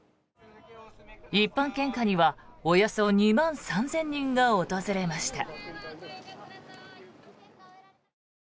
一般献花にはおよそ２万３０００人が訪れました。